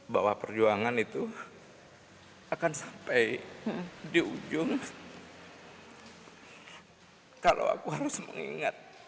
bahwa perjuangan itu akan sampai di ujung kalau aku harus mengingat